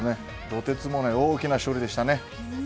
とてつもない大きな勝利でしたね。